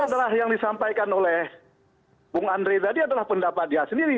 itu adalah yang disampaikan oleh bung andre tadi adalah pendapat dia sendiri